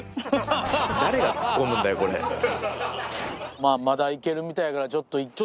まぁまだ行けるみたいやからちょっと行っちゃう？